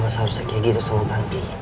mas lu masa harusnya kayak gitu sama tanti